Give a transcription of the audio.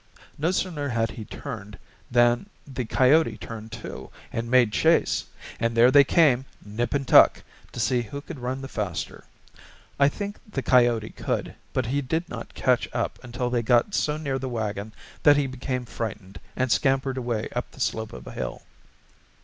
No sooner had he turned than the coyote turned, too, and made chase, and there they came, nip and tuck, to see who could run the faster. I think the coyote could, but he did not catch up until they got so near the wagon that he became frightened and scampered away up the slope of a hill.